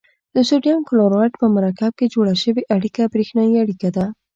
د سوډیم کلورایډ په مرکب کې جوړه شوې اړیکه بریښنايي اړیکه ده.